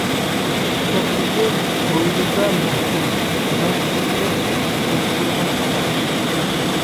قۇچاقلىدى ھويلىدا مەھكەم، نان قومۇرۇپ ئولتۇرغان ئانام.